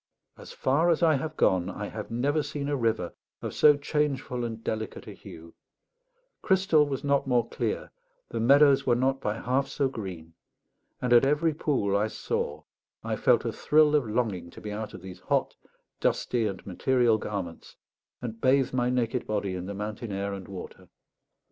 As far as I have gone, I have never seen a river of so changeful and delicate a hue; crystal was not more clear, the meadows were not by half so green; and at every pool I saw I felt a thrill of longing to be out of these hot, dusty, and material garments, and bathe my naked body in the mountain air and water.